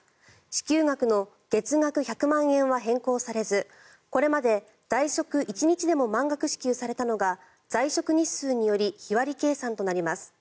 支給額の月額１００万円は変更されずこれまで在職１日でも満額支給されたのが在職日数により日割り計算となります。